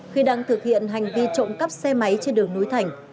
khi đang thực hiện hành vi trộm cắp xe máy trên đường núi thành